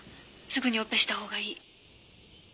すぐにオペしたほうがいい。